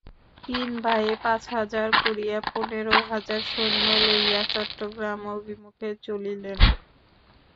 তিন ভাইয়ে পাঁচ হাজার করিয়া পনেরো হাজার সৈন্য লইয়া চট্টগ্রাম অভিমুখে চলিলেন।